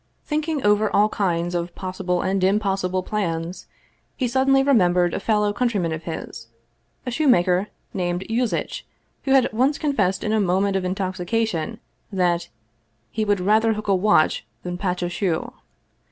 Thinking over all kinds of possible and impossible plans, he suddenly remembered a fellow countryman of his, a shoemaker named Yuzitch, who had once confessed in a moment of intoxication that " he would rather hook a watch than patch a shoe."